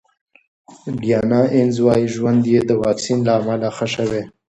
ډیانا اینز وايي ژوند یې د واکسین له امله ښه شوی.